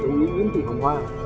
của thủy nguyễn thị hồng hoa